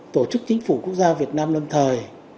tổ chức chính phủ quốc gia việt nam lâm thời